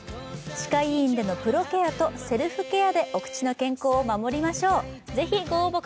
歯科医院でのプロケアとセルフケアでお口の健康を守りましょう。